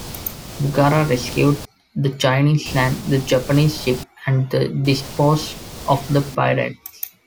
"Bugara" rescued the Chinese, sank the Japanese ship, and then disposed of the pirates.